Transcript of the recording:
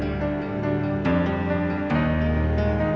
su tur kerah teratur